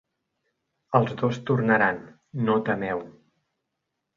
Els dos tornaran, no temeu.